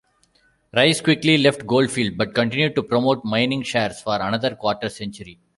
Rice quickly left Goldfield, but continued to promote mining shares for another quarter-century.